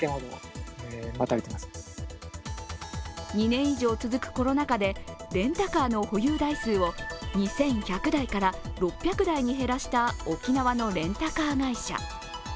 ２年以上続くコロナ禍でレンタカーの保有台数を２１００台から、６００台に減らした沖縄のレンタカー会社。